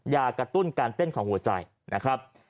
อย่ากระตุ้นการเต้นของหัวใจนะครับ